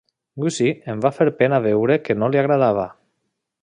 Gussie, em va fer pena veure que no li agradava.